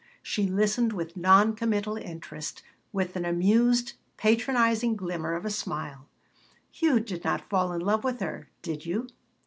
She listened with non committal interest, with an amused, patronizing glimmer of a smile "You did not fall in love with her, did you?"